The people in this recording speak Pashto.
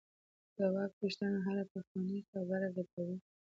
د واک غوښتنه هره پخوانۍ خبره بدلوي.